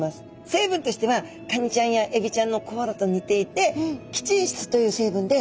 成分としてはカニちゃんやエビちゃんのこうらと似ていてキチン質という成分でできています。